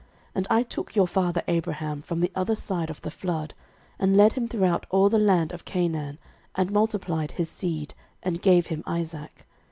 06:024:003 And I took your father Abraham from the other side of the flood, and led him throughout all the land of Canaan, and multiplied his seed, and gave him Isaac.